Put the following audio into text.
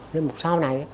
linh mục sao này